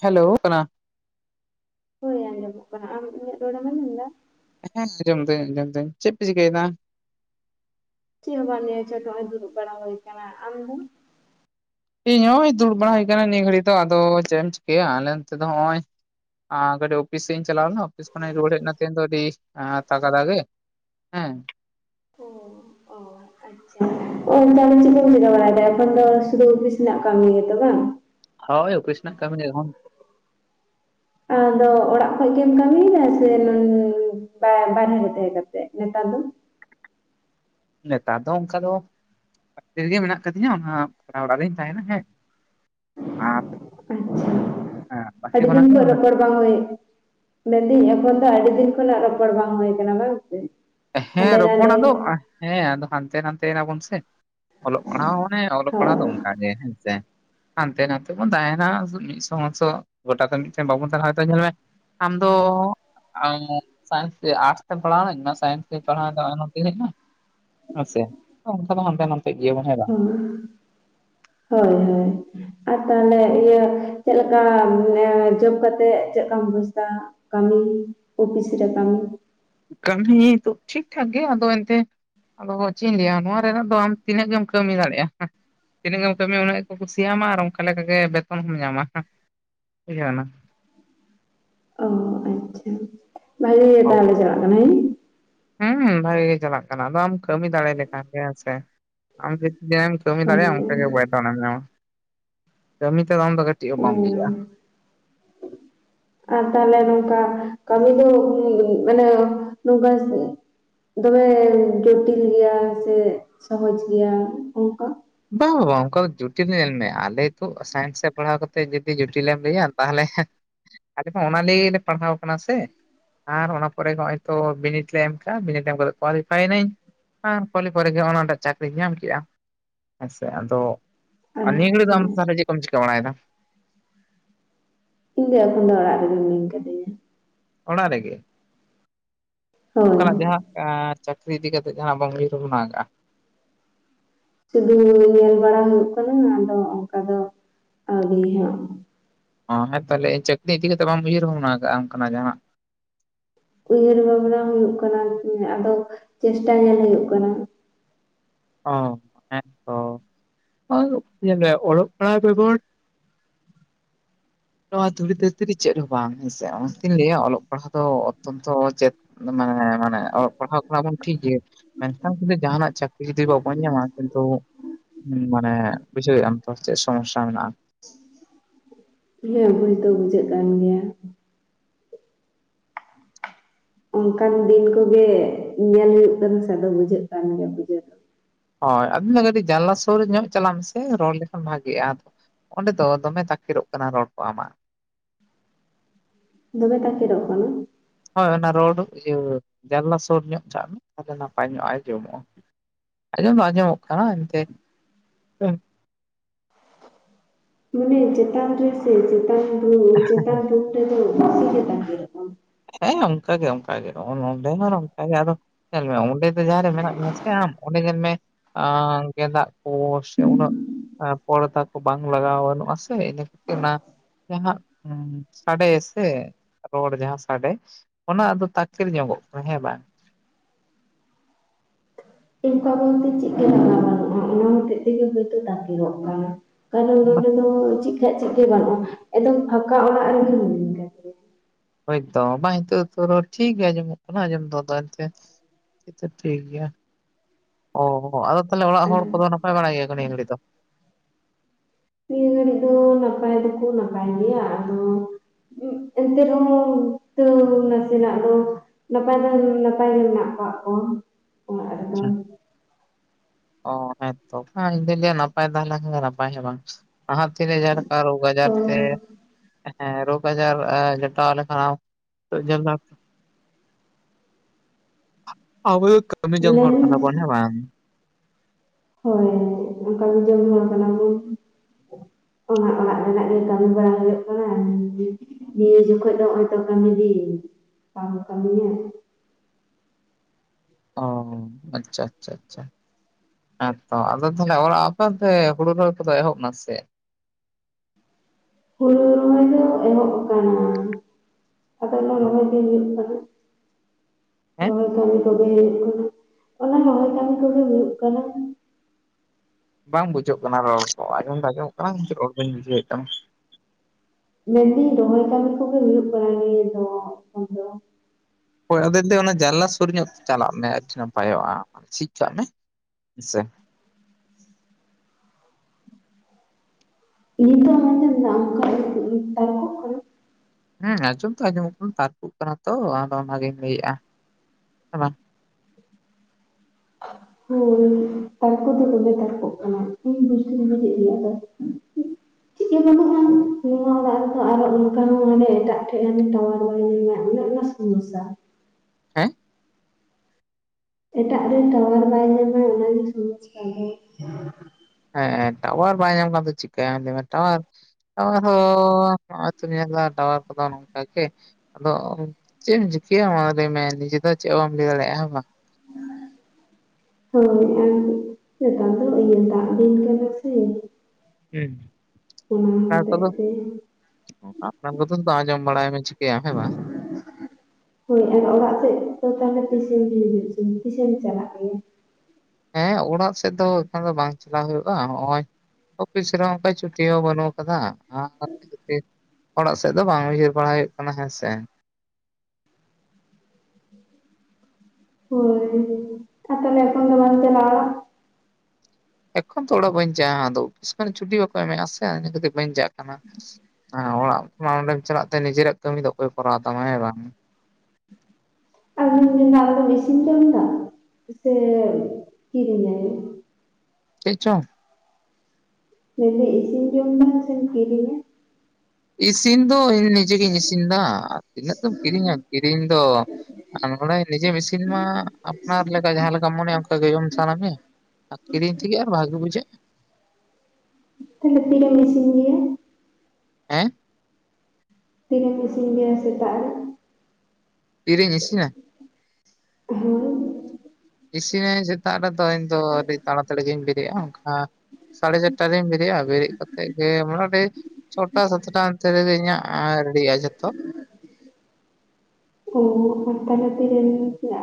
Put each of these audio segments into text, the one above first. Hello ᱠᱟᱱᱟ ᱦᱳᱭ ᱟᱸᱡᱚᱢᱚᱜ ᱠᱟᱱᱟ ᱟᱢ ᱤᱧᱟᱹᱜ ᱨᱚᱲ ᱮᱢ ᱟᱸᱡᱚᱢ ᱫᱟ ᱦᱮᱸ ᱟᱸᱡᱚᱢ ᱫᱟᱹᱧ ᱟᱸᱡᱚᱢ ᱫᱟᱹᱧ ᱪᱮᱫ ᱯᱮ ᱪᱤᱠᱟᱹᱭᱮᱫᱟ ᱪᱮᱫ ᱦᱚᱸ ᱵᱟᱝ ᱜᱮ ᱪᱷᱚ ᱛᱚ ᱫᱩᱲᱩᱵ ᱵᱟᱲᱟ ᱦᱩᱭ ᱠᱟᱱᱟ ᱟᱢ ᱫᱚ ᱤᱧ ᱱᱚᱜ-ᱚᱭ ᱫᱩᱲᱵ ᱵᱟᱲᱟ ᱦᱩᱭ ᱟᱠᱟᱱᱟ ᱱᱤᱭᱟᱹ ᱜᱷᱟᱹᱲᱤᱡ ᱫᱚ ᱟᱫᱚ ᱪᱮᱫ ᱮᱢ ᱪᱤᱠᱟᱹᱭᱟ ᱟᱞᱮ ᱱᱚᱱᱛᱮ ᱫᱚ ᱱᱚᱜ-ᱚᱭ [unintelligible] ᱚᱯᱷᱤᱥ ᱥᱮᱫᱤᱧ ᱪᱟᱞᱟᱣ ᱞᱮᱱᱟ ᱚᱯᱷᱤᱥ ᱠᱷᱚᱱᱤᱧ ᱨᱩᱣᱟᱹᱲ ᱦᱮᱡ ᱮᱱᱟ ᱛᱤᱦᱤᱧ ᱫᱚ ᱟᱹᱰᱤ ᱛᱟᱜ ᱫᱟᱜ ᱜᱮ ᱦᱮᱸ ᱚᱻᱚ ᱚ ᱛᱟᱦᱞᱮ ᱪᱮᱫ ᱠᱚᱢ ᱪᱤᱠᱟᱹ ᱵᱟᱲᱟᱭᱮᱫᱟ ᱮᱠᱷᱚᱱ ᱫᱚ ᱥᱩᱫᱩ ᱩᱯᱷᱤᱥ ᱨᱮᱱᱟᱜ ᱠᱟᱹᱢᱤ ᱜᱮᱛᱚ ᱵᱟᱝ ᱦᱳᱭ ᱩᱯᱷᱤᱥ ᱨᱮᱱᱟᱜ ᱠᱟᱹᱢᱤ ᱮᱠᱷᱚᱱ ᱟᱫᱚ ᱚᱲᱟᱜ ᱠᱷᱚᱡ ᱜᱮᱢ ᱠᱟᱹᱢᱤᱭᱮᱫᱟ ᱥᱮ ᱵᱟ ᱵᱟᱨᱦᱮ ᱨᱮ ᱛᱟᱦᱮᱸ ᱠᱟᱛᱮᱜ ᱱᱮᱛᱟᱨ ᱫᱚ ᱱᱮᱛᱟᱨ ᱫᱚ ᱚᱱᱠᱟ ᱫᱚ ᱚᱲᱟᱜ ᱥᱮᱫ ᱨᱮᱜᱮ ᱢᱮᱱᱟᱜ ᱟᱠᱟᱫᱤᱧᱟ ᱚᱱᱟ ᱯᱮᱲᱟ ᱚᱲᱟᱜ ᱨᱤᱧ ᱛᱟᱦᱮᱸᱱᱟ ᱦᱮᱸ ᱟᱨ ᱟᱪᱪᱷᱟ ᱦᱮᱸ ᱵᱟᱥᱛᱤ ᱟᱹᱰᱤ ᱫᱤᱱ ᱠᱷᱚᱱᱟᱜ ᱜᱮ ᱠᱷᱚᱱ ᱨᱚᱯᱚᱲ ᱵᱟᱝ ᱦᱩᱭ ᱢᱮᱱᱫᱟᱹᱧ ᱮᱠᱷᱚᱱ ᱫᱚ ᱟᱹᱰᱤ ᱫᱤᱱ ᱠᱷᱚᱱᱟᱜ ᱨᱚᱯᱚᱲ ᱵᱟᱝ ᱦᱩᱭ ᱠᱟᱱᱟ ᱵᱟᱝ ᱥᱮ ᱦᱮᱸ ᱦᱟᱸᱰᱮ ᱨᱚᱯᱚᱲ ᱱᱟᱰᱮ ᱟᱫᱚ ᱦᱮᱸ ᱟᱫᱚ ᱦᱟᱱᱛᱮ ᱱᱟᱛᱮᱭ ᱱᱟᱵᱚᱱ ᱥᱮ ᱚᱞᱚᱜ ᱯᱟᱲᱦᱟᱣ ᱢᱟᱱᱮ ᱚᱞᱚᱜ ᱦᱳᱭ ᱯᱟᱲᱦᱟᱣ ᱫᱚ ᱚᱱᱠᱟᱜ ᱜᱮ ᱦᱮᱸ ᱥᱮ ᱦᱟᱱᱛᱮ ᱱᱟᱛᱮ ᱵᱚᱱ ᱛᱟᱦᱮᱱᱟ ᱢᱤᱫ ᱥᱚᱝᱥᱚ ᱜᱚᱴᱟ ᱫᱚ ᱢᱤᱫᱴᱮᱱ ᱵᱟᱵᱚᱱ ᱛᱟᱦᱮᱱᱟ ᱧᱮᱞ ᱢᱮ ᱟᱢ ᱫᱚ ᱮᱱ ᱥᱟᱭᱮᱱᱥ ᱟᱨᱴᱥ ᱛᱮᱢ ᱯᱟᱲᱦᱟᱣ ᱱᱟ ᱤᱧ ᱢᱟ ᱥᱟᱭᱮᱱᱥ ᱯᱟᱲᱦᱟᱣ ᱫᱚ ᱩᱱᱚᱛᱤ ᱦᱩᱭᱩᱜ-ᱟ ᱦᱮᱸᱥᱮ. ᱚᱱᱠᱟ ᱫᱚ ᱦᱟᱱᱛᱮ ᱱᱟᱛᱮ ᱤᱭᱟᱹ [unintelligible] ᱦᱳᱭ ᱦᱳᱭᱻᱦᱳᱭ ᱟᱨ ᱛᱟᱦᱚᱞᱮ ᱤᱭᱟᱹ ᱪᱮᱫᱞᱮᱠᱟ ᱢᱟᱱᱮ ᱡᱚᱵ ᱠᱟᱛᱮᱜ ᱪᱮᱫ ᱞᱮᱠᱟᱢ ᱵᱩᱡᱫᱟ ᱠᱟᱹᱢᱤ ᱚᱯᱷᱤᱥ ᱨᱮ ᱠᱟᱹᱢᱤ ᱠᱟᱹᱢᱤ ᱫᱚ ᱴᱷᱤᱠ ᱴᱷᱟᱠ ᱜᱮ ᱟᱫᱚ ᱮᱱᱛᱮ ᱟᱫᱚ ᱪᱮᱫ ᱤᱧ ᱞᱟᱹᱭᱟ ᱱᱚᱣᱟ ᱨᱮᱱᱟᱜ ᱫᱚ ᱟᱢ ᱛᱤᱱᱟᱹᱜ ᱜᱮᱢ ᱠᱟᱹᱢᱤ ᱫᱟᱲᱮᱭᱟᱜ-ᱟ ᱛᱤᱱᱟᱹᱜ ᱜᱮᱢ ᱠᱟᱹᱢᱤᱭᱟ ᱩᱱᱟᱹᱜ ᱜᱮ ᱠᱚ ᱠᱩᱥᱤᱭᱟᱢᱟ ᱟᱨ ᱚᱱᱠᱟ ᱞᱮᱠᱟ ᱜᱮ ᱵᱮᱛᱚᱱ ᱦᱚᱢ ᱧᱟᱢᱟ ᱦ ᱚ ᱟᱪᱪᱷᱟ ᱵᱷᱟᱜᱤ ᱜᱮ ᱛᱟᱦᱚᱞᱮ ᱪᱟᱞᱟᱜ ᱠᱟᱱᱟ ᱦᱮᱸ ᱦᱩᱸ ᱵᱷᱟᱜᱤ ᱜᱮ ᱪᱟᱞᱟᱜ ᱠᱟᱱᱟ ᱟᱫᱚ ᱟᱢ ᱠᱟᱹᱢᱤ ᱫᱟᱲᱮ ᱞᱮᱠᱷᱟᱱ ᱜᱮ ᱦᱮᱸᱥᱮ ᱟᱢ ᱠᱟᱹᱢᱤ ᱫᱟᱲᱮᱭᱟᱜ-ᱟ ᱚᱱᱠᱟ ᱜᱮ ᱵᱚᱭ ᱦᱳᱭ ᱫᱟᱱᱮᱢ ᱧᱟᱢᱟ ᱠᱟᱹᱢᱤ ᱛᱮᱫᱚ ᱟᱢ ᱫᱚ ᱠᱟᱹᱴᱤᱡ ᱦᱚᱸ ᱚ ᱵᱟᱢ ᱤᱭᱟᱹᱜ-ᱟ ᱟᱨ ᱛᱟᱦᱚᱞᱮ ᱱᱚᱝᱠᱟ ᱠᱟᱹᱢᱤ ᱫᱚ ᱢᱟᱱᱮ ᱱᱚᱝᱠᱟ ᱫᱚᱢᱮ ᱡᱚᱴᱤᱞ ᱜᱮᱭᱟ ᱥᱮ ᱥᱚᱦᱚᱡᱽ ᱜᱮᱭᱟ ᱚᱱᱠᱟ ᱵᱟᱝ ᱵᱟ-ᱵᱟ ᱚᱱᱠᱟ ᱫᱚ ᱡᱩᱴᱤ ᱧᱮᱞ ᱢᱮ ᱟᱞᱮ ᱱᱤᱛᱚᱜ ᱥᱟᱭᱮᱱᱥ ᱨᱮ ᱯᱟᱲᱦᱟᱣ ᱠᱟ ᱠᱟᱛᱮᱫ ᱡᱩᱫᱤ ᱡᱩᱴᱤᱞᱮᱢ ᱞᱟᱹᱭᱟ ᱛᱟᱦᱚᱞᱮ ᱟᱞᱮ ᱢᱟ ᱚᱱᱟ ᱞᱟᱹᱜᱤᱫ ᱞᱮ ᱯᱟᱲᱦᱟᱣ ᱠᱟᱱᱟ ᱥᱮ ᱟᱨ ᱚᱱᱟ ᱯᱚᱨᱮ ᱱᱚᱜᱼᱚᱭ ᱛᱚ ᱵᱤᱱᱤᱰ ᱞᱮ ᱮᱢ ᱠᱮᱜ-ᱟ ᱵᱤᱱᱤᱰ ᱮᱢ ᱠᱟᱛᱮᱫ ᱠᱳᱣᱟᱞᱤᱯᱷᱟᱭᱮᱱᱟᱹᱧ ᱟᱨ ᱯᱚᱞᱤ ᱯᱚᱨᱮᱜ ᱜᱮ ᱚᱱᱟᱴᱟᱜ ᱪᱟᱹᱠᱨᱤᱧ ᱧᱟᱢ ᱠᱮᱫᱮᱜ-ᱟ ᱟᱪᱥᱮ ᱟᱫᱚ ᱱᱤᱭᱟᱹ ᱜᱦᱟᱹᱲᱤᱡ ᱫᱚ ᱟᱪᱪᱷᱟ ᱟᱢ ᱪᱮᱫ ᱠᱚᱢ ᱪᱤᱠᱟᱹ ᱵᱟᱲᱟᱭᱮᱫᱟ ᱤᱧ ᱫᱚ ᱮᱠᱷᱚᱱ ᱫᱚ ᱚᱲᱟᱜ ᱨᱮᱜᱮ ᱢᱤᱱᱟᱹᱧ ᱠᱟᱫᱤᱧᱟ ᱚᱲᱟᱜ ᱨᱮᱜᱮ ᱦᱳᱭ ᱚᱱᱠᱟᱱᱟᱜ ᱡᱟᱦᱟᱸ ᱪᱟᱹᱠᱨᱤ ᱤᱫᱤ ᱠᱟᱛᱮ ᱡᱟᱦᱱᱟᱜ ᱵᱟᱝ ᱩᱦᱟᱹᱨ ᱵᱷᱟᱵᱱᱟ ᱠᱟᱜ-ᱟ ᱥᱩᱫᱩ ᱧᱮᱞ ᱵᱟᱲᱟ ᱦᱩᱭᱩᱜ ᱠᱟᱱᱟ ᱟᱫᱚ ᱚᱱᱠᱟ ᱫᱚ ᱟᱹᱣᱨᱤ ᱦᱚᱸ ᱚ ᱦᱮᱸ ᱛᱚ ᱞᱟᱹᱭᱤᱧ ᱪᱟᱹᱠᱨᱤ ᱤᱫᱤ ᱠᱟᱛᱮ ᱵᱟᱢ ᱩᱭᱦᱟᱹᱨ ᱦᱚᱸ ᱵᱷᱟᱵᱱᱟ ᱠᱟᱜ-ᱟᱢ ᱠᱟᱱᱟ ᱡᱟᱦᱟᱱᱟᱜ ᱩᱭᱦᱟᱹᱨ ᱵᱷᱟᱵᱱᱟ ᱦᱩᱭᱩᱜ ᱠᱟᱱᱟ ᱟᱫᱚ ᱪᱮᱥᱴᱟ ᱧᱮᱞ ᱦᱩᱭᱩᱜ ᱠᱟᱱᱟ ᱚ ᱦᱮᱸᱛᱚ ᱟᱨ ᱚᱞᱚᱜ ᱯᱟᱲᱦᱟᱜ ᱵᱮᱜᱚᱨ ᱱᱚᱣᱟ ᱫᱷᱩᱲᱤ ᱫᱷᱟᱹᱨᱛᱤ ᱨᱮ ᱪᱮᱫᱦᱚᱸ ᱵᱟᱝ ᱦᱮᱸᱥᱮ ᱚᱱᱟᱛᱤᱧ ᱞᱟᱹᱭᱟ ᱚᱞᱚᱜ ᱯᱟᱲᱦᱟᱜ ᱫᱚ ᱚᱛᱚᱱᱛᱚ ᱪᱮᱫ ᱢᱟᱱᱮ ᱢᱟᱱᱮ ᱚᱞᱚᱜ ᱯᱟᱲᱦᱟᱜ ᱠᱷᱚᱱᱟᱜ ᱵᱚᱱ ᱴᱷᱤᱠ ᱜᱮᱭᱟ ᱢᱮᱱᱠᱷᱟᱱ ᱡᱩᱫᱤ ᱡᱟᱦᱟᱱᱟᱜ ᱪᱟᱹᱠᱨᱤ ᱡᱩᱫᱤ ᱵᱟᱵᱚᱱ ᱧᱟᱢᱟ ᱠᱤᱱᱛᱩ ᱢᱟᱱᱮ ᱵᱩᱡᱷᱟᱹᱣᱟ ᱛᱚ ᱪᱮᱫ ᱥᱚᱢᱚᱥᱥᱟ ᱢᱮᱱᱟᱜ-ᱟ ᱦᱮᱸ ᱵᱩᱡᱽᱛᱚ ᱵᱩᱡᱷᱟᱹᱜ ᱠᱟᱱ ᱜᱮᱭᱟ ᱚᱱᱠᱟᱱ ᱫᱤᱱ ᱠᱚᱜᱮ ᱧᱮᱞ ᱦᱩᱭᱩᱜ ᱠᱟᱱᱟ ᱥᱮ ᱟᱫᱚ ᱵᱩᱡᱷᱟᱹᱜ ᱠᱟᱱ ᱜᱮᱭᱟ ᱵᱩᱡᱷᱟᱹᱣ ᱫᱚ ᱦᱳᱭ ᱟᱹᱵᱤᱱ ᱫᱚ ᱠᱟᱴᱤᱡ ᱡᱟᱱᱟᱞᱟ ᱥᱩᱨ ᱧᱚᱜ ᱪᱟᱞᱟᱜ ᱢᱮᱥᱮ ᱨᱚᱲ ᱞᱮᱠᱷᱟᱱ ᱵᱷᱟᱜᱤᱜ-ᱟ ᱟᱫᱚ ᱚᱸᱰᱮ ᱫᱚ ᱫᱚᱢᱮ ᱛᱟᱠᱮᱨᱚᱜ ᱠᱟᱱᱟ ᱨᱚᱲ ᱠᱚ ᱟᱢᱟᱜ ᱫᱚᱢᱮ ᱛᱟᱠᱮᱨᱚᱜ ᱠᱟᱱᱟ ᱦᱳᱭ ᱚᱱᱟ ᱨᱳᱰ ᱤᱭᱟᱹ ᱡᱟᱱᱞᱟ ᱥᱩᱨ ᱧᱚᱜ ᱪᱟᱜ ᱢᱮ ᱛᱟᱦᱞᱮ ᱱᱟᱯᱟᱭ ᱧᱚᱜ ᱟᱭ ᱡᱚᱢᱚᱜᱼᱟ ᱟᱸᱡᱚᱢ ᱫᱚ ᱟᱸᱡᱚᱢᱚᱜ ᱠᱟᱱᱟ ᱮᱱᱠᱟᱹ ᱢᱟᱱᱮ ᱪᱮᱛᱟᱱ ᱨᱮᱥᱮ ᱪᱮᱛᱟᱱ ᱨᱩᱢ ᱪᱮᱛᱟᱱ ᱨᱩᱢ ᱫᱚ ᱫᱚᱢᱮ ᱜᱮ ᱛᱟᱠᱮᱨᱚᱜ ᱠᱟᱱᱟ ᱦᱮᱸ ᱚᱱᱠᱟᱜ ᱜᱮ ᱚᱱᱠᱟᱜᱮ ᱱᱚᱼ ᱱᱚᱰᱮ ᱚᱱᱠᱟᱜ ᱧᱮᱞ ᱢᱮ ᱚᱸᱰᱮ ᱫᱚ ᱡᱟᱦᱟᱸᱨᱮ ᱢᱮᱱᱟᱜ ᱢᱮᱭᱟ ᱥᱮ ᱟᱢ ᱚᱸᱰᱮ ᱧᱮᱞ ᱢᱮ ᱜᱫᱟᱜ ᱠᱚ ᱥᱮ ᱩᱱᱟᱹᱜ ᱯᱚᱨᱫᱟ ᱠᱚ ᱵᱟᱝ ᱞᱟᱜᱟᱣ ᱵᱟᱱᱩᱜᱼᱟᱥ ᱤᱱᱟᱹ ᱠᱷᱟᱹᱛᱤᱨ ᱚᱱᱟ ᱡᱟᱦᱟᱸ ᱥᱟᱰᱮ ᱥᱮ ᱨᱚᱲ ᱡᱟᱦᱟᱸ ᱥᱟᱰᱮ ᱚᱱᱟ ᱟᱫᱚ ᱛᱟᱠᱮᱨ ᱧᱚᱜᱚᱜ ᱠᱟᱱᱟ ᱦᱮᱸ ᱵᱟᱝ ᱤᱱᱠᱟ ᱵᱚᱞᱛᱮ ᱪᱮᱫ ᱛᱮ [unintelligible] ᱚᱱᱟ ᱦᱚᱛᱮᱡ ᱛᱮᱜᱮ ᱦᱭ ᱛᱟᱠᱤᱨᱚᱜ ᱠᱟᱱᱟ ᱠᱟᱨᱚᱱ ᱱᱚᱰᱮ ᱫᱚ ᱪᱮᱫ ᱠᱷᱟᱱ ᱪᱮᱫ ᱜᱮ ᱵᱟᱹᱱᱩᱜᱼᱟ ᱮᱠᱫᱚᱢ ᱯᱷᱟᱸᱠᱟ ᱚᱲᱟᱜ ᱨᱮᱜᱮ [unintelligible] ᱦᱳᱭᱛᱚ ᱵᱟᱝ ᱱᱤᱛᱚᱜ ᱫᱚ ᱨᱚᱲ ᱴᱷᱤᱠᱜᱮ ᱟᱸᱡᱚᱢᱚᱜ ᱠᱟᱱᱟ ᱟᱸᱡᱚᱢ ᱫᱚᱦ ᱮᱱᱛᱮ ᱟᱪᱷᱟ ᱴᱷᱤᱠ ᱜᱮᱭᱟ ᱚ ᱟᱫᱚ ᱛᱟᱦᱚᱞᱮ ᱚᱲᱟᱜ ᱠᱟᱫᱤᱧᱟ ᱦᱚᱲ ᱠᱚᱫᱚ ᱱᱟᱯᱟᱭ ᱵᱟᱲᱟᱭ ᱜᱮ ᱱᱤᱭᱟᱹᱜᱷᱟᱲᱤ ᱫᱚ ᱱᱤᱭᱟᱹ ᱜᱷᱟᱹᱲᱤᱡ ᱫᱚ ᱱᱟᱯᱟᱭ ᱫᱚᱠᱚ ᱱᱟᱯᱟᱭ ᱜᱮᱭᱟ ᱟᱫᱚ ᱮᱱᱛᱮ ᱨᱮᱦᱚᱸ ᱛᱟᱹᱣ ᱱᱟᱥᱮᱱᱟᱜ ᱫᱚ ᱱᱟᱯᱟᱭ ᱫᱚ ᱱᱟᱯᱟᱭ ᱜᱮ ᱢᱮᱱᱟᱜ ᱠᱟᱜ ᱠᱚᱭᱟ ᱟᱪᱪᱷᱟ ᱚᱸ ᱦᱮᱸᱛᱚ ᱟᱨ ᱤᱧᱫᱚᱝ ᱞᱟᱹᱭᱟ ᱱᱟᱯᱟᱭ ᱛᱟᱦᱮᱞᱮᱸᱠᱷᱟᱱ ᱜᱮ ᱱᱟᱯᱟᱭ ᱦᱮᱸ ᱵᱟᱝ ᱱᱟᱦᱟᱸᱜ ᱛᱤᱨᱮ [unintelligible] ᱨᱳᱜᱽ ᱟᱡᱟᱨ ᱦᱳᱭ ᱛᱮ ᱦᱮᱸ ᱨᱳᱜᱽ ᱟᱡᱟᱨ ᱟᱸᱜ ᱡᱚᱴᱟᱣ ᱞᱮᱠᱷᱟᱱᱟᱢ [unintelligible] ᱧᱮᱞ ᱫᱟᱢ ᱟᱵᱚᱭ ᱫᱚ ᱠᱟᱹᱢᱤ ᱡᱚᱝ ᱞᱟᱹᱭ ᱦᱚᱲ ᱢᱮ ᱠᱟᱱᱟᱵᱚᱱ ᱦᱮᱸ ᱵᱟᱝ ᱦᱳᱭ ᱚᱱᱠᱟ ᱠᱟᱹᱢᱤ ᱡᱚᱢ ᱦᱚᱲ ᱠᱟᱱᱟ ᱵᱚᱱ ᱚᱱᱟ ᱚᱲᱟᱜ ᱨᱮᱱᱟᱜ ᱜᱮ ᱠᱟᱹᱢᱤ ᱵᱟᱲᱟ ᱦᱩᱭᱩᱜ ᱠᱟᱱᱟ [unintelligible] ᱱᱤᱭᱟᱹ ᱡᱚᱠᱷᱚᱡ ᱫᱚ ᱚᱸᱚᱭ ᱛᱚ ᱠᱟᱹᱢᱤ ᱫᱤᱱ ᱵᱟᱢ ᱠᱟᱹᱢᱤᱭᱟ ᱚ ᱟᱪᱪᱷᱟ ᱟᱪᱪᱷᱟ ᱟᱪᱪᱷᱟ ᱦᱮᱸ ᱛᱚ ᱟᱫᱚ ᱛᱟᱦᱚᱞᱮ ᱚᱲᱟᱜᱯ ᱦᱩᱲᱩ ᱨᱚᱦᱚᱭ ᱠᱚᱫᱚ ᱮᱦᱚᱵ ᱱᱟᱥᱮ ᱦᱩᱲᱩ ᱨᱚᱦᱚᱭ ᱫᱚ ᱮᱦᱚᱵ ᱟᱠᱟᱱᱟ ᱟᱛᱮ ᱦᱚᱸ ᱨᱚᱦᱚᱭ ᱜᱮ ᱦᱩᱭᱩᱜ ᱠᱟᱱᱟ ᱦᱮᱸ ᱨᱚᱦᱚᱭ ᱠᱟᱹᱢᱤ ᱠᱚ ᱦᱩᱭᱩᱜ ᱠᱟᱱᱟ ᱚᱱᱟ ᱨᱚᱦᱚᱭ ᱠᱟᱹᱢᱤ ᱠᱚᱜᱮ ᱦᱩᱭᱩᱜ ᱠᱟᱱᱟ ᱵᱟᱝ ᱵᱩᱡᱷᱚᱹᱜ ᱠᱟᱱᱟ ᱨᱚᱲ ᱠᱚ ᱟᱸᱡᱚᱢ ᱫᱚ ᱟᱸᱚᱢᱚᱜ ᱠᱟᱱᱟᱝ ᱪᱮᱜ ᱨᱚᱲ ᱵᱟᱹᱧ ᱵᱩᱡᱷᱟᱹᱣᱮᱫ ᱛᱟᱢᱟ ᱢᱮᱱᱫᱟᱹᱧ ᱨᱚᱦᱚᱭ ᱠᱟᱹᱢᱤ ᱠᱚᱜᱮ ᱦᱩᱭᱩᱜ ᱠᱟᱱᱟ ᱱᱤᱭᱟᱹ ᱫᱚ [unintelligible] ᱫᱚ ᱦᱳᱭ ᱟᱫᱚᱝ ᱫᱟᱹᱝ ᱚᱱᱟ ᱡᱟᱱᱞᱟ ᱥᱳᱨ ᱧᱚᱜ ᱛᱮ ᱪᱟᱞᱟᱜ ᱢᱮ ᱟᱪᱪᱷᱟ ᱱᱟᱯᱟᱭᱚᱜᱼᱟ ᱡᱷᱤᱠ ᱠᱟᱜ ᱢᱮ ᱥᱮ ᱱᱤᱛ ᱫᱚᱢ ᱟᱸᱡᱚᱢ ᱫᱟ ᱟᱢ [unintelligible] ᱛᱟᱨᱠᱳᱜ ᱠᱟᱱᱟ ᱦᱮᱸ ᱟᱸᱡᱚᱢ ᱛᱚ ᱟᱸᱡᱚᱢᱚᱜ ᱠᱟᱱᱟ ᱛᱟᱨᱯᱩᱜ ᱠᱟᱱᱟ ᱛᱚ ᱟᱫᱚ ᱚᱱᱟᱜᱤᱧ ᱞᱟᱹᱭᱮᱜᱼᱟ ᱦᱮᱸ ᱵᱟᱝ [inaudible] ᱦᱳᱭ ᱛᱟᱨᱠᱚ ᱫᱚ ᱫᱚᱢᱮ ᱛᱟᱨᱠᱚᱜ ᱠᱟᱱᱟ ᱤᱧ ᱼ [unintelligible] ᱼᱼ ᱪᱤᱠᱟᱹ ᱵᱟᱹᱱᱩᱜᱼᱟ ᱱᱚᱣᱟ ᱚᱲᱟᱜ ᱨᱮᱫᱚ ᱟᱨ ᱦᱚᱸ ᱚᱱᱠᱟ ᱦᱚᱸ ᱢᱟᱱᱮ ᱮᱴᱟᱜ ᱦᱟᱹᱱᱮ ᱴᱟᱣᱟᱨ ᱵᱟᱭ ᱧᱟᱢᱟ ᱚᱱᱟᱹᱜ ᱚᱱᱟ ᱠᱩᱭᱟᱥᱟ ᱮᱸ ᱮᱴᱟᱜ ᱨᱮ ᱴᱟᱣᱟᱨ ᱵᱟᱭ ᱧᱟᱢᱟ ᱚᱱᱟᱜᱮ ᱥᱚᱢᱚᱥᱥᱟ ᱫᱚ ᱦᱮᱸ ᱴᱟᱣᱟᱨ ᱵᱟᱭ ᱧᱟᱢ ᱠᱟᱱ ᱫᱚ ᱪᱤᱠᱟᱹᱭᱟᱢ ᱞᱮᱢᱮ ᱴᱟᱣᱟᱨ ᱟᱨᱦᱚᱸ ᱱᱚᱜᱼᱚᱭ ᱛᱚ ᱧᱮᱞ ᱫᱟ ᱴᱟᱣᱟᱨ ᱠᱚᱫᱚ ᱱᱚᱝᱠᱟ ᱜᱮ ᱟᱫᱚ ᱪᱮᱜ ᱮᱢ ᱪᱤᱠᱟᱹᱭᱟ ᱢᱟ ᱨᱮ ᱢᱮ ᱱᱤᱡᱮ ᱫᱚ ᱪᱮᱜ ᱦᱚᱸ ᱵᱟᱢ ᱞᱮ ᱫᱟᱲᱮᱭᱟᱜᱼᱟ ᱦᱮᱸ ᱵᱟᱝ [inaudible] ᱦᱳᱭ ᱟᱨ ᱱᱮᱛᱟᱨ ᱫᱚ ᱤᱭᱟᱹ ᱫᱟᱜ ᱫᱤᱱ ᱠᱟᱱᱟ ᱥᱮ ᱚᱱᱟ ᱟᱯᱱᱟᱨ ᱦᱚᱛᱮᱡ ᱠᱚᱫᱚ ᱛᱮ ᱟᱯᱱᱟᱨ ᱠᱚᱫᱚ ᱟᱸᱡᱚᱢ ᱵᱟᱲᱟᱭ ᱢᱮ ᱪᱤᱠᱟᱭᱟᱢ ᱦᱮᱸ ᱵᱟᱝ ᱦᱳᱭ ᱟᱨ ᱚᱲᱟᱜ ᱥᱮᱜ ᱫᱚ ᱛᱟᱦᱚᱞᱮ ᱛᱤᱥᱮᱢ ᱦᱤᱡᱩᱜ ᱛᱤᱥᱮᱢ ᱪᱟᱞᱟᱜ ᱜᱮᱭᱟ ᱦᱮᱸ ᱚᱲᱟᱜ ᱥᱮᱫ ᱫᱚ ᱮᱠᱷᱚᱱ ᱫᱚ ᱵᱟᱝ ᱪᱟᱞᱟᱣ ᱦᱳᱭᱳᱜᱼᱟ ᱦᱚᱜᱼᱚᱭ ᱚᱯᱷᱤᱥ ᱨᱮᱦᱚᱸ ᱚᱝᱠᱟ ᱪᱷᱩᱴᱤ ᱦᱚᱸ ᱵᱟᱹᱱᱩᱜ ᱠᱟᱫᱟ ᱟᱨ [unintelligible] ᱚᱲᱟᱜ ᱥᱮᱫ ᱫᱚ ᱵᱟᱝ ᱩᱭᱦᱟᱹᱨ ᱵᱟᱲᱟᱭ ᱠᱟᱱᱟ ᱦᱮᱸᱥᱮ ᱦᱳᱭ ᱟᱨ ᱛᱟᱦᱚᱞᱮ ᱮᱠᱷᱮᱱ ᱫᱚ ᱵᱟᱢ ᱪᱟᱞᱟᱜᱼᱟ ᱚᱲᱟᱜ ᱮᱠᱷᱚᱱ ᱛᱚ ᱚᱲᱟᱜ ᱵᱟᱧ ᱪᱟᱜᱼᱟ ᱟᱫᱚ ᱚᱯᱤᱥ ᱠᱷᱟᱱᱟᱜ ᱪᱷᱩᱴᱤ ᱵᱟᱠᱚ ᱮᱢᱮᱜᱼᱟ ᱥᱮ ᱤᱱᱟᱹ ᱠᱷᱟᱹᱛᱤᱨ ᱵᱟᱧ ᱪᱟᱹᱜ ᱠᱟᱱᱟ ᱚᱲᱟᱜ ᱠᱷᱚᱱᱟᱜ ᱚᱸᱰᱮᱢ ᱪᱟᱞᱟᱜ ᱛᱮ ᱱᱤᱡᱮᱨᱟᱜ ᱠᱟᱹᱢᱤ ᱫᱚ ᱚᱠᱚᱭᱮ ᱠᱚᱨᱟᱣ ᱛᱟᱢᱟ ᱦᱮᱸ ᱵᱟᱝ ᱟᱵᱮᱱ ᱫᱚᱵᱮᱱ [unintelligible] ᱤᱥᱤᱱ ᱡᱚᱢᱮᱫᱟ ᱥᱮ ᱠᱤᱨᱤᱧ ᱪᱮᱜ ᱪᱚᱝ ᱢᱮᱸᱫᱟᱹᱧ ᱤᱥᱤᱱ ᱡᱚᱢ ᱫᱟᱢ ᱥᱮ ᱠᱤᱨᱤᱧᱟ ᱤᱥᱤᱱ ᱫᱚ ᱤᱧ ᱱᱤᱡᱮᱜᱤᱧ ᱤᱥᱤᱱᱫᱟ ᱟᱨ ᱛᱤᱱᱟᱹᱜ ᱫᱚᱢ ᱠᱤᱨᱤᱧᱟ ᱠᱤᱨᱤᱧ ᱫᱚ ᱟᱨ ᱱᱚᱰᱮ ᱱᱤᱡᱮ ᱢᱮᱥᱤᱱ ᱢᱟ ᱟᱯᱱᱟᱨ ᱞᱮᱠᱟ ᱡᱟᱦᱟᱸ ᱞᱮᱠᱟᱢ ᱢᱚᱱᱮᱭᱟ ᱚᱝᱠᱟᱜᱮ ᱡᱚᱢ ᱥᱟᱱᱟ ᱢᱮᱭᱟ ᱠᱤᱨᱤᱧ ᱛᱮᱠᱤ ᱟᱨ ᱵᱷᱟᱜᱤ ᱵᱩᱡᱷᱟᱹᱜ ᱛᱟᱦᱚᱞᱮ ᱛᱤᱨᱮᱢ ᱤᱥᱤᱱ ᱜᱮᱭᱟ ᱦᱮᱸ ᱛᱤᱱᱮᱢ ᱤᱥᱤᱱ ᱢᱮᱭᱟ ᱥᱮᱛᱟᱜ ᱨᱮ ᱛᱤᱨᱤᱧ ᱤᱥᱤᱱᱟ ᱦᱳᱭ ᱤᱥᱤᱱᱟᱹᱧ ᱥᱮᱛᱟᱜ ᱨᱮᱛᱚ ᱤᱧ ᱫᱚ ᱟᱹᱰᱤ ᱛᱟᱲᱟᱛᱟᱲᱤ ᱜᱤᱧ ᱵᱮᱨᱮᱜᱼᱟ ᱚᱱᱠᱟ ᱥᱟᱲᱮ ᱪᱟᱨᱴᱟ ᱨᱮᱧ ᱵᱮᱨᱮᱜᱼᱟ ᱵᱮᱨᱮᱜ ᱠᱟᱛᱮᱜ ᱜᱮ ᱢᱚᱴᱟᱢᱚᱴᱤ ᱪᱷᱚᱴᱟ ᱥᱟᱛᱴᱟ ᱚᱱᱛᱮ ᱨᱮᱜᱮ ᱤᱧᱟᱹᱜ ᱨᱮᱰᱤᱜᱼᱟ ᱡᱷᱚᱛᱚ ᱚ ᱟᱨ ᱛᱟᱦᱚᱞᱮ ᱛᱤᱨᱮᱢ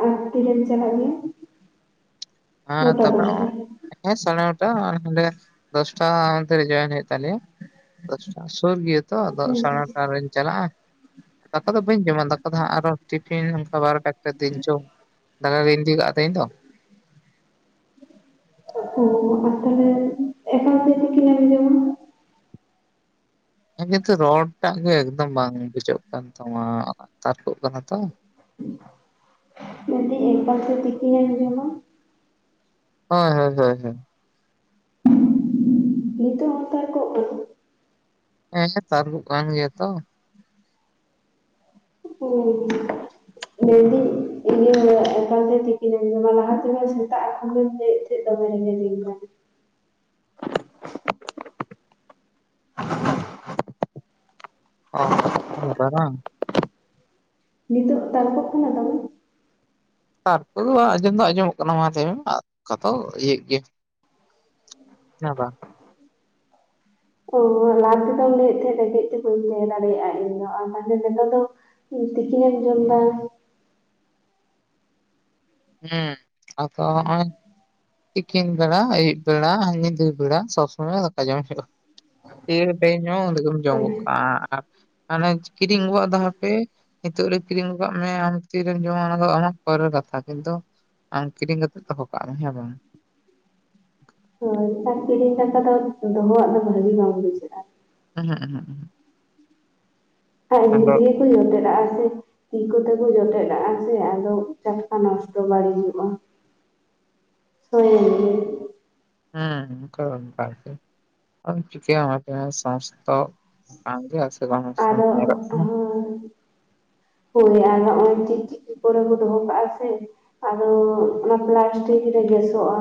ᱟᱨ ᱛᱤᱨᱮᱢ ᱪᱟᱞᱟᱜ ᱜᱮᱭᱟ ᱦᱮᱸ ᱱᱚᱴᱟ ᱫᱚᱥᱴᱟ ᱛᱟᱯᱚᱨᱮ [unintelligible] ᱥᱟᱲᱮ ᱱᱚᱴᱟ ᱚᱱᱰᱮ ᱫᱚᱥᱴᱟ ᱢᱚᱫᱽᱫᱷᱮ ᱨᱮ ᱡᱚᱭᱮᱱ ᱦᱩᱭᱩᱜ ᱛᱟᱞᱮᱭᱟ ᱫᱚᱥᱴᱟ ᱥᱩᱨ ᱜᱮᱭᱟᱛᱚ ᱟᱫᱚ ᱥᱟᱲᱮ ᱱᱚᱴᱟ ᱨᱤᱧ ᱪᱟᱞᱟᱜᱼᱟ ᱫᱟᱠᱟ ᱫᱚ ᱵᱟᱹᱧ ᱡᱚᱢᱟ ᱫᱟᱠᱟ ᱫᱚ ᱦᱟᱸᱜ ᱟᱨᱚ ᱴᱤᱯᱷᱤᱱ ᱚᱱᱠᱟ ᱵᱟᱨᱚᱴᱟ ᱮᱠᱴᱟ ᱛᱤᱧ ᱡᱚᱢᱟ ᱫᱟᱠᱟ ᱜᱤᱧ ᱤᱫᱤ ᱠᱟᱜ-ᱟ ᱛᱮᱦᱮᱧ ᱫᱚ [inaudible] ᱮᱠᱟᱞ ᱛᱮ ᱛᱤᱠᱤᱱ ᱮᱢ ᱡᱚᱢᱟ ᱠᱤᱱᱛᱩ ᱨᱚᱲ ᱴᱟᱜ ᱜᱮ ᱮᱠᱫᱚᱢ ᱵᱟᱝ ᱵᱩᱡᱷᱟᱹᱜ ᱠᱟᱱ ᱛᱟᱢᱟ ᱛᱟᱨᱠᱳᱜ ᱠᱟᱱᱟ ᱛᱚ ᱢᱮᱱᱫᱟᱹᱧ ᱮᱠᱟᱞᱛᱮ ᱛᱤᱠᱤᱱᱮᱢ ᱡᱚᱢᱟ ᱦᱳᱭ ᱦᱳᱭ ᱦᱳᱭ ᱦᱳᱭ [inaudible] ᱱᱤᱛᱚᱜ ᱦᱚᱸ ᱛᱟᱨᱠᱚᱜ-ᱟ ᱠᱟᱱᱟ ᱦᱮᱸ ᱛᱟᱨᱠᱚᱜ ᱠᱟᱱ ᱜᱮᱭᱟ ᱛᱚ [unintelligible] ᱢᱮᱱᱫᱤᱧ ᱤᱧ ᱫᱩᱧ ᱫᱚᱦᱚᱭᱮᱫ ᱮᱠᱷᱟᱱ ᱟᱢ ᱢᱟ ᱛᱤᱠᱤᱱᱮᱢ ᱡᱚᱢᱟ, ᱞᱟᱦᱟ ᱛᱮᱦᱚᱸ ᱥᱮᱛᱟᱜ ᱟᱠᱷᱟᱱ ᱜᱮ ᱞᱟᱹᱭᱮᱫ ᱛᱟᱦᱮᱸᱫ ᱫᱚᱢᱮ ᱨᱮᱸᱜᱮᱡᱤᱧ ᱠᱟᱱᱟ [inaudible] ᱚ ᱚᱱᱠᱟ ᱞᱮᱠᱟ ᱵᱟᱝ ᱱᱤᱛᱳᱜ ᱛᱟᱨᱠᱳᱜ ᱠᱟᱱᱟ ᱫᱚᱢᱮ ᱛᱟᱨᱯᱚᱨᱮ ᱫᱚ ᱟᱸᱡᱚᱢ ᱫᱚ ᱟᱸᱡᱚᱢᱚᱜ ᱠᱟᱱᱟ ᱢᱟ ᱞᱟ. ᱭᱢᱟ ᱚᱱᱠᱟᱫᱚ ᱤᱭᱟᱹᱜ ᱜᱮᱭᱟ ᱦᱮᱸ ᱵᱟᱝ ᱚ ᱞᱟᱦᱟ ᱛᱮᱫᱚᱢ ᱞᱟᱹᱭᱮᱫ ᱛᱟᱦᱮᱸ ᱨᱮᱸᱜᱮᱡ ᱛᱮ ᱵᱟᱹᱧ ᱛᱟᱦᱮᱸ ᱫᱟᱲᱮᱭᱟᱜᱼᱟ ᱤᱧᱫᱚ ᱟᱨ ᱛᱟᱦᱚᱞᱮ ᱱᱮᱛᱟᱨ ᱫᱚ ᱛᱤᱠᱤᱱᱮᱢ ᱮᱢ ᱡᱚᱢ ᱫᱟ ᱦᱩᱸ ᱟᱫᱚ ᱦᱚᱸᱜ-ᱚᱭ ᱛᱤᱠᱤᱱ ᱵᱮᱲᱟ ᱟᱹᱭᱩᱵ ᱵᱮᱲᱟ ᱦᱮᱸ ᱧᱤᱫᱟᱹ ᱵᱮᱲᱟ ᱥᱚᱵᱚᱢᱚᱭ ᱫᱟᱠᱟ ᱡᱚᱢ ᱦᱩᱭᱩᱜ-ᱟ ᱛᱤ ᱨᱮ ᱴᱟᱭᱢ ᱧᱟᱢᱚᱜ-ᱟ ᱩᱱᱨᱮᱜᱮᱢ ᱡᱚᱢ ᱦᱮᱸ, ᱜᱚᱫ ᱠᱟᱜᱼᱟ ᱢᱟᱱᱮ ᱠᱤᱨᱤᱧ ᱟᱹᱜᱩ ᱦᱟᱯᱮᱹ ᱱᱤᱛᱚᱜ ᱨᱮ ᱠᱤᱨᱤᱧ ᱠᱟᱜ ᱢᱮ ᱟᱢ ᱛᱤᱨᱮᱢ ᱡᱚᱢᱟ ᱚᱱᱟ ᱫᱚ ᱟᱢᱟᱜ ᱯᱚᱨᱮᱨ ᱠᱟᱛᱷᱟ ᱠᱤᱱᱛᱩ ᱟᱢ ᱠᱤᱨᱤᱧ ᱠᱟᱛᱮᱫ ᱫᱚᱦᱚ ᱠᱟᱜ ᱢᱮ ᱦᱮᱸ ᱵᱟᱝ ᱦᱳᱭ ᱠᱤᱨᱤᱧ ᱫᱟᱠᱟ ᱫᱚ ᱫᱚᱦᱚᱣᱟᱜ ᱫᱚ ᱵᱷᱟᱜᱤ ᱵᱟᱝ ᱵᱩᱡᱷᱟᱹᱜᱼᱟ ᱚᱸᱦᱚᱸᱜ ᱚᱸᱦᱚᱸᱜ ᱚᱸᱦᱚᱸᱜ ᱚᱸᱦᱚᱸᱜ ᱟᱨ ᱮᱢᱱᱤ ᱛᱮᱜᱮ ᱠᱚ ᱡᱚᱴᱮᱫ ᱟᱜ-ᱟ ᱥᱮ ᱛᱤ ᱠᱚᱛᱮ ᱠᱚ ᱡᱚᱴᱮᱫᱟᱜᱼᱟ ᱥᱮ ᱟᱫᱚ ᱴᱟᱴᱠᱟ ᱱᱚᱥᱴᱚ ᱵᱟᱹᱲᱤᱡᱚᱜ-ᱟ ᱦᱳᱭ ᱦᱢ ᱚᱱᱠᱟ ᱫᱚ ᱚᱱᱠᱟ ᱜᱮ, ᱟᱫᱚ ᱪᱤᱠᱟᱹᱭᱟᱢ ᱢᱟᱥᱮ ᱞᱟᱹᱭᱢᱮ ᱥᱚᱢᱚᱥᱛᱚ ᱟᱸᱴ ᱜᱮᱭᱟ ᱥᱮ ᱵᱟᱝ ᱟᱨᱚ [unintelligible] ᱧᱮᱞᱚᱜ ᱠᱟᱱᱟ ᱦᱳᱭ ᱦᱳᱭ ᱟᱨ ᱱᱚᱜᱼᱚᱭ ᱪᱤᱠ-ᱪᱤᱠᱤ ᱠᱚᱨᱮ ᱠᱚ ᱫᱚᱦᱚ ᱠᱟᱜᱼᱟ ᱥᱮ ᱟᱫᱚ ᱚᱱᱟ ᱯᱞᱟᱥᱴᱤᱠ ᱨᱮ ᱜᱮᱥᱚᱜᱼᱟ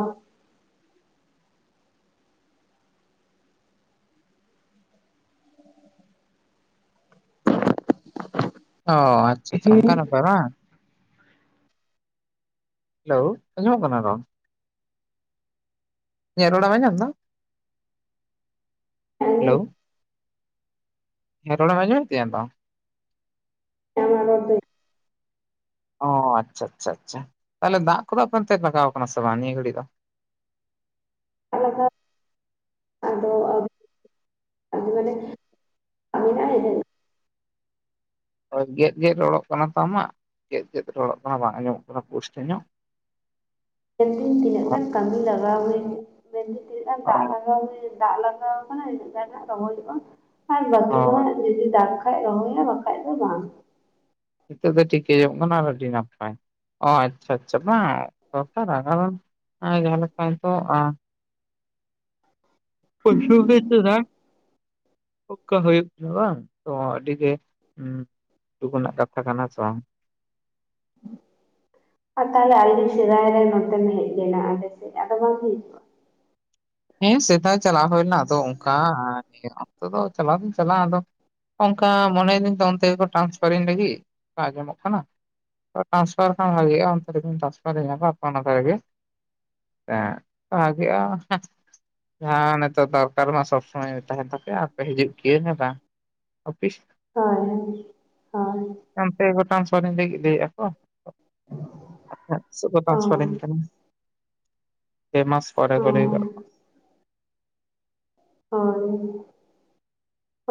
ᱚ ᱟᱪᱪᱷᱟ ᱟᱪᱪᱷᱟ ᱚᱱᱠᱟᱱ ᱵᱮᱯᱟᱨ ᱵᱟᱝ ᱦᱮᱞᱳ ᱚᱡᱚᱢᱚᱜ ᱠᱟᱱᱟ ᱨᱚᱲ ᱤᱧᱟᱜ ᱨᱚᱲᱮᱢ ᱟᱸᱡᱚᱢ ᱮᱫᱟ.... ᱟᱸᱡᱚᱢ ᱦᱮᱞᱳ ᱦᱮ ᱨᱚᱲᱮᱢ ᱟᱸᱡᱚᱢᱮᱫ ᱛᱤᱧᱟ ᱛᱚ? [unintelligible] ᱚ ᱟᱪᱪᱷᱟ ᱟᱪᱪᱷᱟ ᱟᱪᱪᱷᱟ ᱛᱟᱦᱚᱞᱮ ᱫᱟᱜ ᱠᱚᱫᱚ ᱟᱯᱛ ᱞᱟᱜᱟᱣ ᱠᱟᱱᱟ ᱥᱮ ᱵᱟᱝ ᱱᱤᱭᱟᱹ ᱜᱷᱟᱹᱲᱤ ᱫᱚ ᱟᱞᱟᱫᱟ [inaudible] ᱟᱫᱚ [inaudible] ᱟᱫᱚ [inaudible] ᱢᱟᱱᱮ ᱟᱵᱤᱱᱟᱜ [unintelligible] ᱦᱳᱭ ᱜᱮᱫ ᱜᱮᱫ ᱨᱚᱲᱚᱜ ᱠᱟᱱᱟ ᱛᱚ ᱟᱢᱟᱜ ᱜᱮᱫ ᱜᱮᱫ ᱨᱚᱲᱚᱜ ᱠᱟᱱᱟ ᱵᱟᱝ ᱟᱸᱡᱚᱢᱚᱜ ᱠᱟᱱᱟ ᱯᱩᱥᱴᱟ. ᱧᱚᱜ ᱢᱮᱱᱫᱤᱧ ᱛᱤᱱᱟᱹᱜ ᱜᱟᱱ ᱚ ᱠᱟᱹᱢᱤ ᱞᱟᱜᱟᱣ ᱦᱩᱭ ᱢᱮᱱᱫᱧ ᱛᱤᱱᱟᱹᱜ ᱜᱟᱱ ᱫᱟᱜ ᱞᱟᱜᱟᱣ ᱦᱩᱭᱜ ᱫᱟᱜ ᱞᱟᱜᱟᱣ ᱠᱟᱱᱟ ᱤᱱᱟᱹᱜ ᱜᱟᱱ ᱦᱟᱜ ᱨᱚᱦᱚᱭᱚᱜᱼᱟ ᱟᱨ ᱵᱟᱠᱤ ᱫᱚ ᱦᱳᱭ ᱡᱩᱫᱤ ᱫᱟᱜᱼᱼ ᱵᱟᱠᱟᱱ ᱨᱚᱦᱚᱭᱟ ᱵᱟᱠᱷᱟᱡ ᱫᱚ ᱵᱟᱝ ᱱᱤᱛᱚᱜ ᱫᱚ ᱴᱷᱤᱠᱟᱹ ᱭᱟᱢ ᱚᱱᱟ ᱟᱨ ᱟᱹᱰᱤ ᱱᱟᱯᱟᱭ ᱚ ᱟᱪᱪᱷᱟ ᱟᱪᱪᱷᱟ ᱵᱟᱝ [unintelligible] ᱡᱟᱦᱟᱸ ᱞᱮᱠᱟ ᱱᱤᱛᱚᱜ [inaudible] [unintelligible] [unintelligible] ᱚᱱᱠᱟ ᱦᱩᱭᱩᱜ ᱜᱮᱭᱟ ᱵᱟᱝ ᱟᱰᱤ ᱜᱮ [unintelligible] ᱨᱮᱱᱟᱜ ᱠᱟᱛᱷᱟ ᱠᱟᱱᱟ ᱥᱮ ᱵᱟᱝ ᱛᱟᱦᱚᱞᱮ ᱟᱹᱰᱤ ᱥᱮᱫᱟᱭ ᱨᱮ ᱱᱚᱛᱮᱢ ᱦᱮᱡ ᱞᱮᱱᱟ ᱟᱞᱮᱥᱮᱫ ᱟᱫᱚ ᱵᱟᱝ ᱦᱩᱭᱩᱜᱼᱟ ᱦᱮᱸ ᱥᱮᱫᱟᱭ ᱪᱟᱞᱟᱣ ᱦᱩᱭᱱᱟ ᱟᱫᱚ ᱚᱱᱠᱟ ᱚᱱᱛᱮ ᱫᱚ ᱪᱟᱞᱟᱣ ᱫᱚᱧ ᱪᱟᱞᱟᱜᱼᱟ ᱟᱫᱚ ᱚᱱᱠᱟ ᱢᱚᱱᱮᱭᱮᱫᱟᱹᱧ ᱛᱚ ᱚᱱᱛᱮ ᱜᱮᱠᱚ ᱴᱨᱟᱱᱥᱯᱟᱨ ᱤᱧ ᱞᱟᱹᱜᱤᱫ ᱚᱱᱠᱟ ᱟᱸᱡᱚᱜ ᱠᱟᱱᱟ ᱛᱚᱵᱮ ᱴᱟᱱᱥᱯᱷᱟᱨ ᱠᱷᱟᱱ ᱵᱷᱟᱜᱮᱜᱼᱟ ᱚᱱᱛᱮ ᱨᱮᱜᱮᱵᱤ ᱴᱟᱱᱥᱯᱷᱟᱨ ᱦᱮᱡ ᱮᱱᱟ ᱟᱯᱮ ᱚᱱᱟ ᱫᱷᱟᱨᱮ ᱜᱮ ᱦᱮᱸ ᱵᱷᱟᱜᱮᱼᱟ ᱦᱮᱸ ᱦᱮᱸ ᱱᱤᱛᱚᱜ ᱫᱚ ᱱᱮᱛᱟᱨ ᱢᱟ ᱥᱚᱵ ᱥᱚᱢᱚᱭ ᱛᱟᱦᱮᱱ ᱛᱟᱯᱮᱭᱟ ᱟᱯᱮ ᱦᱤᱡᱩᱜ ᱠᱤᱭᱟ ᱦᱮ ᱵᱟᱝ ᱚᱯᱷᱤᱥ ᱦᱳᱭ ᱦᱳᱭ ᱚᱱᱛᱮ ᱜᱮᱠᱚ ᱴᱟᱱᱟᱥᱯᱟᱨᱤᱧ ᱞᱟᱹᱜᱤᱫ ᱞᱟᱹᱭᱮᱫ ᱟᱠᱚ ᱟᱫᱚ ᱛᱤᱥ ᱠᱚ ᱚ ᱴᱟᱱᱥᱯᱟᱨᱤᱧ ᱠᱟᱱᱟ᱾ ᱯᱮ ᱢᱟᱥ ᱯᱚᱨᱮ ᱠᱚ ᱞᱟᱹᱭᱠᱟᱜᱼᱼ ᱦᱳᱭ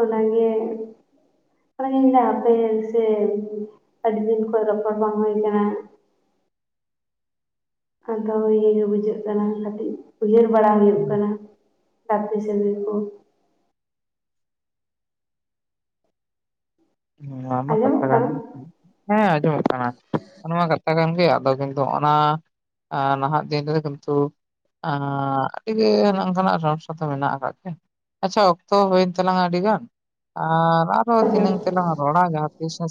ᱚᱱᱟᱜᱮ [unintelligible] ᱟᱯᱮ ᱜᱮ ᱥᱮ ᱟᱹᱰᱤ ᱫᱤᱱ ᱠᱷᱚᱱ ᱨᱚᱯᱚᱲ ᱵᱟᱝ ᱦᱩᱭ ᱠᱟᱱᱟ ᱟᱫᱚ ᱤᱭᱟᱹ ᱜᱮ ᱵᱩᱡᱷᱟᱹᱜ ᱠᱟᱱᱟ ᱠᱟᱹᱴᱤᱡ ᱩᱭᱦᱟᱹᱨ ᱵᱟᱲᱟ ᱦᱩᱭᱩᱜ ᱠᱟᱱᱟ ᱜᱟᱛᱮ ᱥᱟᱹᱜᱟᱹᱭ ᱠᱚ ᱟᱱᱟᱢᱟ ᱟᱸᱡᱚᱢᱚᱜ ᱠᱟᱛᱷᱟ ᱠᱟᱱ ᱠᱟᱱᱟ ᱦᱮᱸ ᱟᱸᱡᱚᱢᱚᱫ ᱠᱟᱱᱟ ᱱᱚᱣᱟ ᱠᱟᱛᱷᱟ ᱠᱟᱱ ᱜᱮ ᱟᱫᱚ ᱠᱤᱱᱛᱩ ᱚᱱᱟ ᱱᱟᱦᱟᱜ ᱫᱤᱱ ᱨᱮ ᱠᱤᱱᱛᱩ ᱟᱹᱰᱤᱜᱮ ᱚᱱᱠᱟᱱᱟᱜ [unintelligible] ᱢᱮᱱᱟᱜ ᱟᱠᱟᱜ ᱜᱮ ᱟᱪᱪᱷᱟ ᱚᱠᱛᱚ ᱦᱩᱭᱮᱱ ᱛᱟᱞᱟᱝᱟ ᱟᱹᱰᱤ ᱜᱟᱱ ᱟᱨ ᱟᱨᱚ ᱫᱷᱤᱱᱟᱹᱝ ᱛᱮᱞᱟᱝ ᱨᱚᱲᱟ ᱡᱟᱦᱟ ᱛᱤᱥ ᱦᱮᱼᱼ